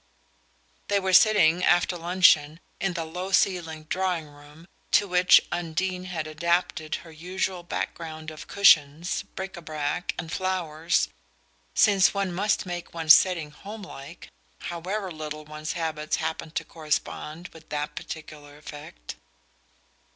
They were sitting, after luncheon, in the low ceilinged drawing room to which Undine had adapted her usual background of cushions, bric a brac and flowers since one must make one's setting "home like," however little one's habits happened to correspond with that particular effect.